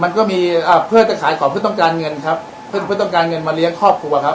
มันก็มีอ่าเพื่อจะขายของเพื่อต้องการเงินครับเพื่อต้องการเงินมาเลี้ยงครอบครัวครับ